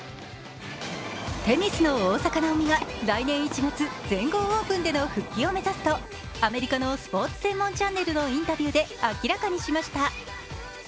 テニスの大坂なおみが来年１月、全豪オープンでの復帰を目指すとアメリカのスポーツ専門チャンネルのインタビューで明らかにしました。